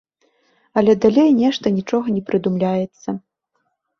Але далей нешта нічога не прыдумляецца.